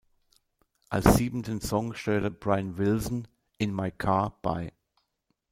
Als siebenten Song steuerte Brian Wilson "In My Car" bei.